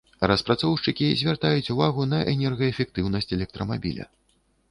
Распрацоўшчыкі звяртаюць увагу на энергаэфектыўнасць электрамабіля.